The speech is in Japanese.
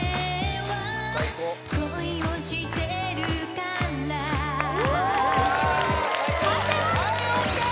はいＯＫ